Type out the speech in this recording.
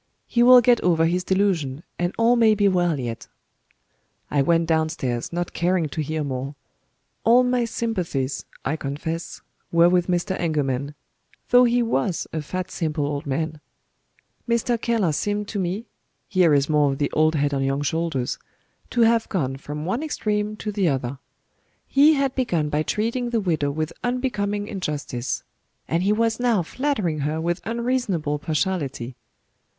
He will get over his delusion, and all may be well yet." I went downstairs, not caring to hear more. All my sympathies, I confess, were with Mr. Engelman though he was a fat simple old man. Mr. Keller seemed to me (here is more of the "old head on young shoulders!") to have gone from one extreme to the other. He had begun by treating the widow with unbecoming injustice; and he was now flattering her with unreasonable partiality.